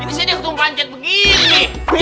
ini saya yang ketumbang pancet begini